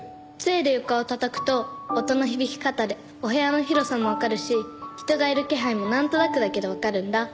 杖で床をたたくと音の響き方でお部屋の広さもわかるし人がいる気配もなんとなくだけどわかるんだ。